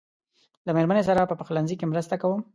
له مېرمنې سره په پخلنځي کې مرسته کوم.